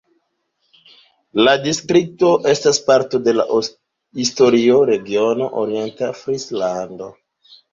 La distrikto estas parto de la historia regiono Orienta Frislando.